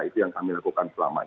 itu yang kami lakukan selama ini